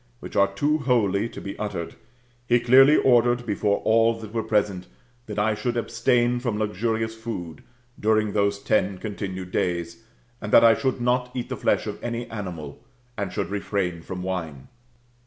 Which are too holy to be uttered, he clearly ordered, before all that were present, that I should abstain from luxurious food, during those ten continued days, and that I should not eat the fiesh of any animal, and should refrain from wine.